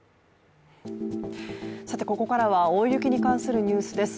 ここからは大雪に関するニュースです。